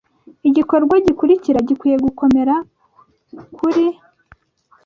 Igikorwa gikurikira gikwiye gukomera kuri.